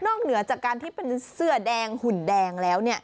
เหนือจากการที่เป็นเสื้อแดงหุ่นแดงแล้ว